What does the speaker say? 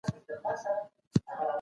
همدا زموږ د ایمان غوښتنه ده.